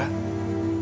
aku paham ra